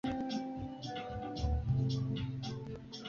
ya kutafuta njia za kukabiliana na machafuko yanayoendelea nchini libya